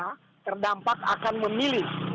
terdampak akan memilih